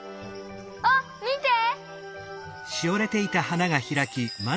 あっみて！